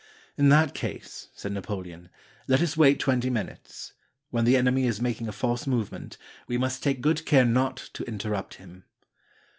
"In that case," said Napoleon, "let us wait twenty minutes. When the enemy is making a false movement, we must take good care not to interrupt him."